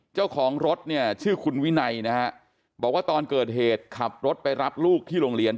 เจ้าของรถเนี่ยชื่อคุณวินัยนะฮะบอกว่าตอนเกิดเหตุขับรถไปรับลูกที่โรงเรียน